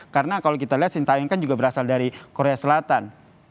karena kalau kita lihat shin taeyong kan juga berasal dari korea selatan